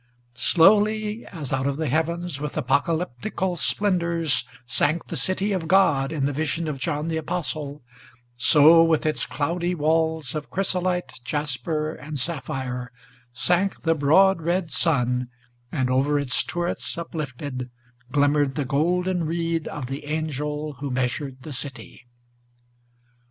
Slowly as out of the heavens, with apocalyptical splendors, Sank the City of God, in the vision of John the Apostle, So, with its cloudy walls of chrysolite, jasper, and sapphire, Sank the broad red sun, and over its turrets uplifted Glimmered the golden reed of the angel who measured the city.